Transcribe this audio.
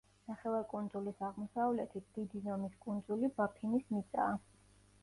ნახევარკუნძულის აღმოსავლეთით დიდი ზომის კუნძული ბაფინის მიწაა.